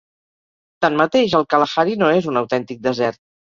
Tanmateix, el Kalahari no és un autèntic desert.